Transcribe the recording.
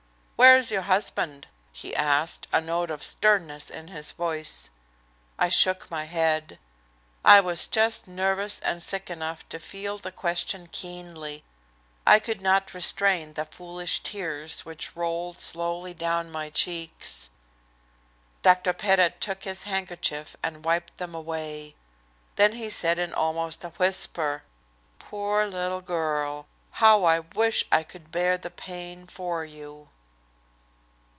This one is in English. "Where is your husband?" he asked, a note of sternness in his voice. I shook my head. I was just nervous and sick enough to feel the question keenly. I could not restrain the foolish tears which rolled slowly down my cheeks. Dr. Pettit took his handkerchief and wiped them away. Then he said in almost a whisper: "Poor little girl! How I wish I could bear the pain for you!"